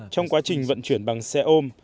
trong quá trình vận chuyển bằng xe ôm